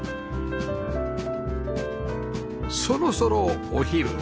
そろそろお昼